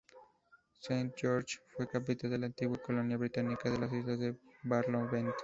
Saint George fue capital de la antigua colonia británica de las Islas de Barlovento.